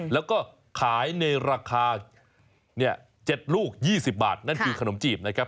แล้วก็ขายในราคา๗ลูก๒๐บาทนั่นคือขนมจีบนะครับ